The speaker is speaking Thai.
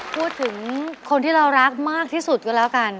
พูดถึงคนที่เรารักมากที่สุดก็แล้วกัน